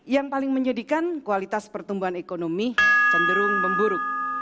yang paling menyedihkan kualitas pertumbuhan ekonomi cenderung memburuk